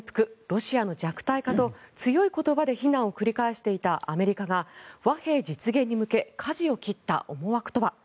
ロシアの弱体化と強い言葉で非難を繰り返していたアメリカが和平実現に向けかじを切った思惑とは？